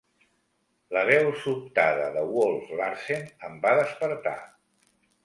La veu sobtada de Wolf Larsen em va despertar.